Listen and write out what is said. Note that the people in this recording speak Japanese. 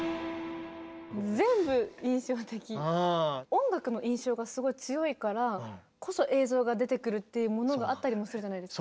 音楽の印象がすごい強いからこそ映像が出てくるっていうものがあったりもするじゃないですか。